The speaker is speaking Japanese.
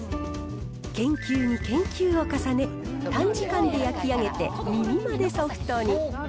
研究に研究を重ね、短時間で焼き上げて、耳までソフトに。